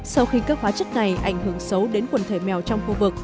sau khi các hóa chất này ảnh hưởng xấu đến quần thể mèo trong khu vực